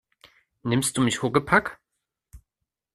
Nimmst du mich Huckepack?